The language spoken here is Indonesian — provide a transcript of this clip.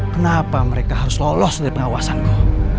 kenapa mereka harus lolos dari pengawasanku